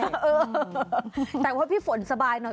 แต่เพราะว่าผิดฝนสบายหน่อย